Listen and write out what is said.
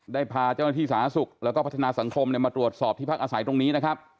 พาเจ้าหน้าที่สาธารณสุขแล้วก็พัฒนาสังคมมาตรวจสอบที่พักอาศัยตรงนี้นะครับ